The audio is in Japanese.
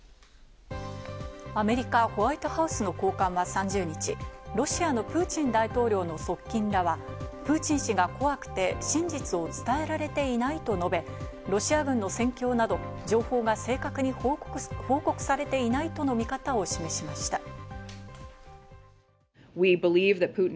アメリカ・ホワイトハウスの高官は３０日、ロシアのプーチン大統領の側近らは、プーチン氏が怖くて真実を伝えられていないと述べ、ロシア軍の戦況など、情報が正確に報告されていないとの見方を示しました。